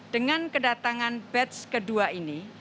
dengan kedatangan batch kedua ini